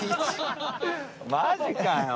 マジかよ。